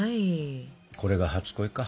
これが初恋か。